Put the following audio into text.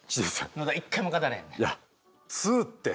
野田一回も勝たれへんねん。